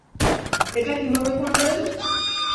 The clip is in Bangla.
এটা কিভাবে করলেন?